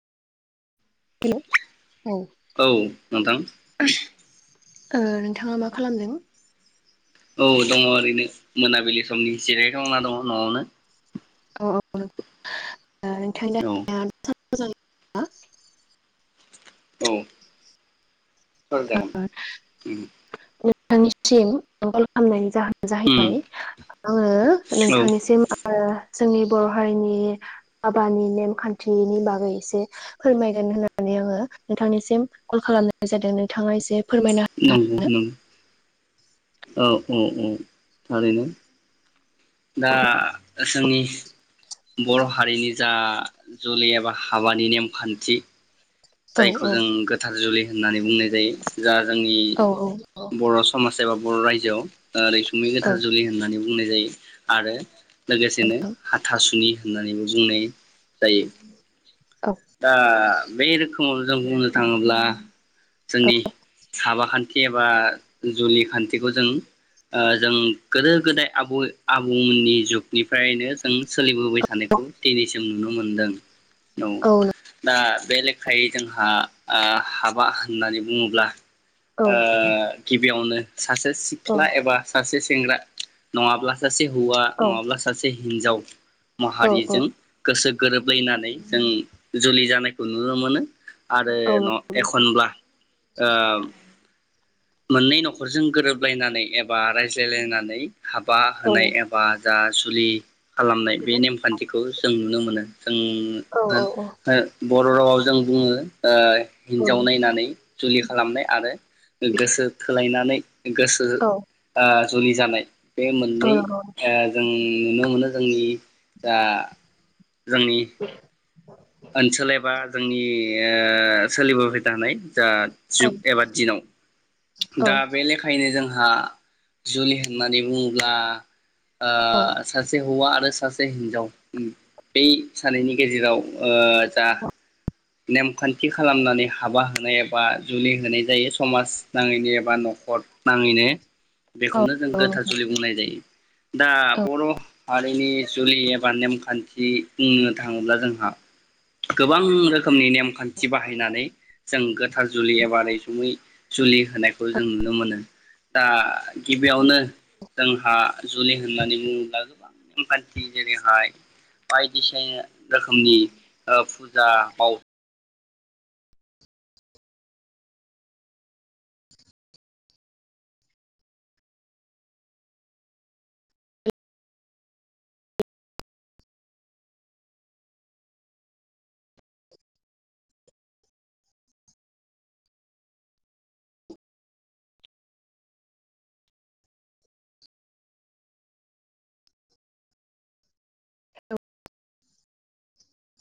Hello ओ औ नोंथां। ओयो नोंथाङा मा खालामदों? औ दङ ओरैनो मोनाबिलि समनि जिरायखांना दङ न'आवनो। [unintelligible] [inaudible] मोजांयै औ आ औ। औ जागोन उम। थांनिसिम औ कल आंलाय जाहोन उम जाहैबाय आङो औ नोंथांनिसिम आरो। जोंनि बर' हारिनि हाबानि नेमखान्थिनि बागै एसे फोरमायगोन होननानै आङो नोंथांनिसिम कल खालामनाय जादों। नोंथां इसे। नंगौ नंगौ औ। अ औ थारैनो। दा जोंनि बर' हारिनि जा जुलि एबा हाबानि नेमखान्थि। औ जायखौ औ जों गोथार जुलि। होननानै बुंनाय। जायो जा जोंनि औ बर' समाज सोरबा बर' रायजोआव। ओै रैसुङै औ गोथार जुलि होननानै बुंनाय जायो आरो। लोगोसेनो हाथासुनि। होननानैबो बुंनाय जायो। औ दा। बे रोखोमाव जों बुंनो थाङोब्ला जोंनि हाबा खान्थि एबा जुलि खान्थिखौ जों जों गोदो गोदाय आबौ आबौमोननि जुगनिफ्रायनो जों सोलिबोबाय थानायखौ दिनैसिम नुनो मोनदों। औ। दा बे लेखायै जोंहा ओ हाबा होननानै बुङोब्ला। औ ओ। गिबियावनो। सासे सिख्ला एबा सासे सेंग्रा नङाब्ला सासे हौवा औ नङाब्ला सासे हिन्जाव। औ माहारिजों गोसो गोरोबलायनानै जों। जुलि जानायखौ नुनो मोनो। आरो न' एखनब्ला ओ। मोननै न'खरजों गोरोबलायनानै एबा रायज्लायलायनानै। हाबा होनाय औ एबा। जा जुलि। खालामनाय बे नेमखान्थिखौ जों नुनो नो। जों [inaudible] बर' रावाव जों बुङो ओ। हिनजाव नायनानै जुलि खालामनाय आरो गोसो थोलायनानै गोसो ओ। जुलि जानाय। बे मोननै ओ जों नुनो मोनो। जोंनि जा। जोंनि। ओनसोल एबा जों नि ओ सोलिबोबाय थानाय। दा जुग एबा दिनाव औ दा बे लेखायैनो जों हा जुलि होननानै बुङोब्ला। ओ औ सासे हौवा आ रो सासे ओम हिन्जाव बि सानैनि गेजेराव। ओ जा नेमखान्थि खालामनानै हाबा होनाय एबा जुलि होनाय जायो समाज नाङैनो एबा न'खर नाङैनो। औ बेखौनो जों औ गोथार नोंथां जुलि बुंनाय जायो। दा बर'। हारिनि जुलि एबा नेमखान्थि बुंनो थाङोब्ला जोंहा। गोबां रोखोमनि नेमखान्थि बाहायनानै जों गोथार जुलि एबा रैसुमै जुलि होनायखौ जों नुनो मोनो दा गिबियावनो जोंहा जुलि होननानै बुङोब्ला गोबां नेमखान्थि जेरैहाय बायदिसिन रोखोमनि ओ फुजा बाव